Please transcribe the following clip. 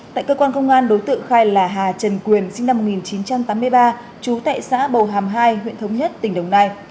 tại cơ quan công an đối tượng khai là hà trần quyền sinh năm một nghìn chín trăm tám mươi ba trú tại xã bầu hàm hai huyện thống nhất tỉnh đồng nai